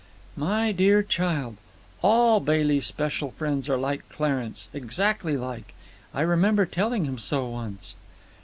"My dear child, all Bailey's special friends are like Clarence, exactly like. I remember telling him so once."